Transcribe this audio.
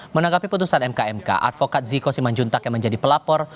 menanggapi putusan mkmk advokat ziko simanjuntak yang menjadi pelapor